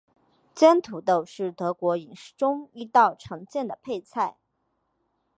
煎土豆是德国饮食中一道常见的配菜。